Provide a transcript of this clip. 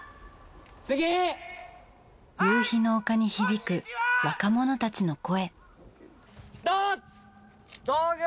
夕日の丘に響く若者たちの声。